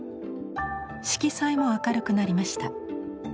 色彩も明るくなりました。